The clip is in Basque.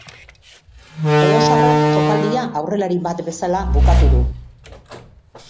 Tolosarrak jokaldia aurrelari bat bezala bukatu du.